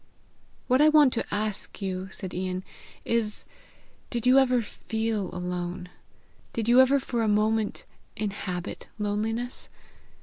"What I want to ask you," said Ian, "is did you ever feel alone? Did you ever for a moment inhabit loneliness?